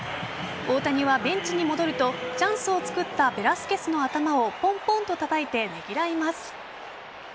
大谷はベンチに戻るとチャンスを作ったベラスケスの頭をポンポンとたたいてねぎらいます。